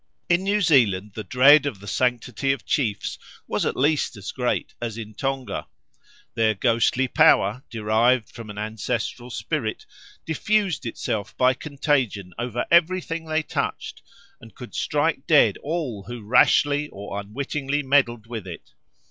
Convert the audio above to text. In New Zealand the dread of the sanctity of chiefs was at least as great as in Tonga. Their ghostly power, derived from an ancestral spirit, diffused itself by contagion over everything they touched, and could strike dead all who rashly or unwittingly meddled with it.